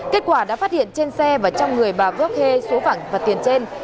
kết quả đã phát hiện trên xe và trong người bà vương hê số vẳng và tiền trên